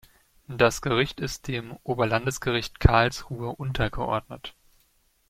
Das Gericht ist dem Oberlandesgericht Karlsruhe untergeordnet.